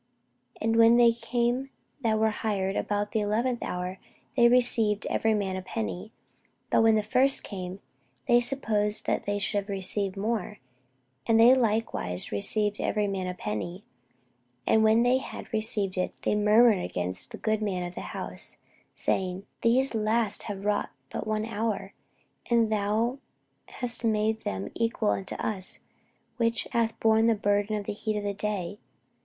And when they came that were hired about the eleventh hour, they received every man a penny. But when the first came, they supposed that they should have received more; and they likewise received every man a penny. And when they had received it, they murmured against the goodman of the house, saying, These last have wrought but one hour, and thou hast made them equal unto us, which have borne the burden and heat of the day.